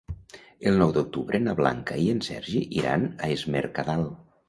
El nou d'octubre na Blanca i en Sergi iran a Es Mercadal.